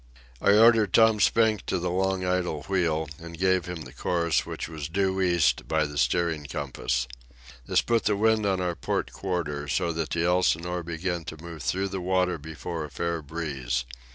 I ordered Tom Spink to the long idle wheel, and gave him the course, which was due east by the steering compass. This put the wind on our port quarter, so that the Elsinore began to move through the water before a fair breeze.